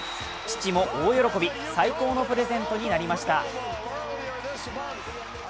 父も大喜び、最高のプレゼントになりました。